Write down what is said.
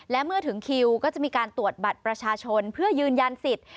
และเมื่อถึงคิวก็จะมีการตรวจบัตรประชาชนเพื่อยืนยันสิทธิ์